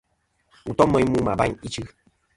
Wù tom meyn mu mɨ abayn ichɨ.